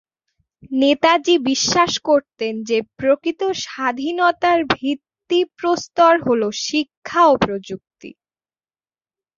নেতাজী বিশ্বাস করতেন যে প্রকৃত স্বাধীনতার ভিত্তিপ্রস্তর হল শিক্ষা ও প্রযুক্তি।